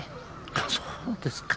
あっそうですか？